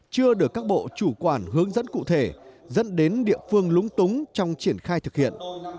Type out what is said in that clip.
chưa được các bộ chủ quản hướng dẫn cụ thể dẫn đến địa phương lúng túng trong triển khai thực hiện